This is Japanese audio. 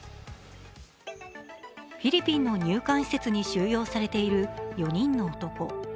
フィリピンの入管施設に収容されている４人の男。